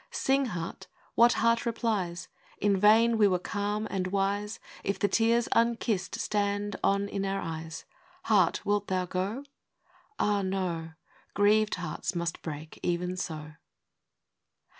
Sing, Heart! what heart replies ? In vain we were calm and wise, If the tears unkissed stand on in our eyes. Heart, wilt thou go ?—" Ah, no ! Grieved hearts must break even so."